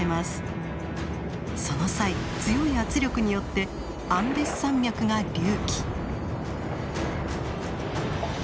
その際強い圧力によってアンデス山脈が隆起。